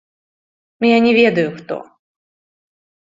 Я не ведаю хто.